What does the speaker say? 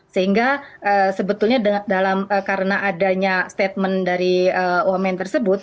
sehingga sebetulnya karena adanya statement dari wamen tersebut